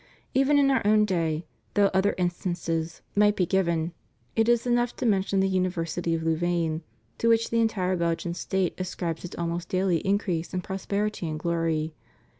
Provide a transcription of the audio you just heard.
Even in Our own day, though other instances might 326 CATHOLICITY IN THE UNITED STATES. be given, it is enough to mention the University of Lou vain, to which the entire Belgian nation ascribes its al most daily increase in prosperity and glory.